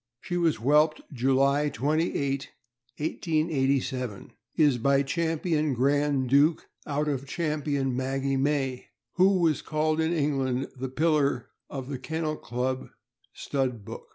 She was whelped July 28, 1887, is by Champion Grand Duke, out of Champion Maggie May, who was called in England the pillar of the Kennel Club Stud Book.